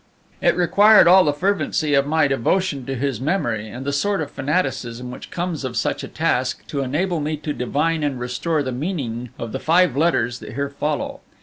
It required all the fervency of my devotion to his memory, and the sort of fanaticism which comes of such a task, to enable me to divine and restore the meaning of the five letters that here follow.